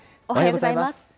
おはようございます。